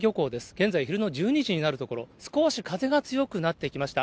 現在、昼の１２時になるところ、少し風が強くなってきました。